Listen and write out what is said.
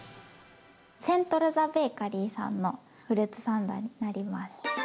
セントルザ・ベーカリーさんのフルーツサンドになります。